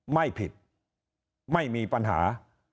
ไม่ผิดไม่มีปัญหา